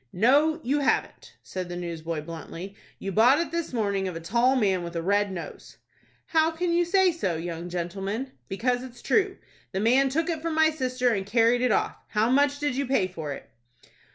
"No, you haven't," said the newsboy, bluntly; "you bought it this morning of a tall man, with a red nose." "How can you say so, young gentleman?" "Because it's true. The man took it from my sister, and carried it off. How much did you pay for it?"